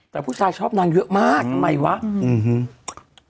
แต่ผู้ชายชอบนางเยอะมากทำไมวะอืม